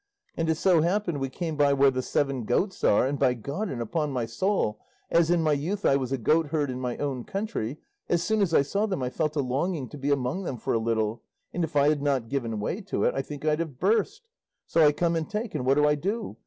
And it so happened we came by where the seven goats are, and by God and upon my soul, as in my youth I was a goatherd in my own country, as soon as I saw them I felt a longing to be among them for a little, and if I had not given way to it I think I'd have burst. So I come and take, and what do I do?